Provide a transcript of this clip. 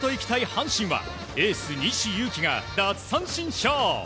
阪神はエース西勇輝が奪三振ショー。